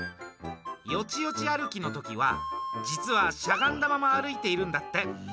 よちよち歩きのときは実は、しゃがんだまま歩いているんだって。